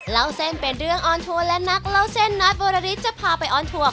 เล่าเส้นเป็นเรื่องออนทัวร์และนักเล่าเส้นน็อตวรริสจะพาไปออนทัวร์